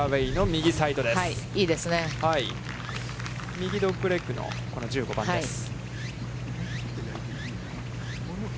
右ドッグレッグの１５番です。